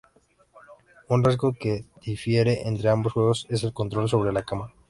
Un rasgo que difiere entre ambos juegos es el control sobre la cámara.